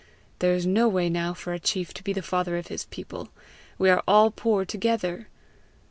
There is no way now for a chief to be the father of his people; we are all poor together!